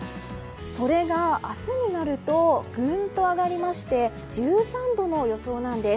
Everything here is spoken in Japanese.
それが明日になるとぐんと上がりまして１３度の予想なんです。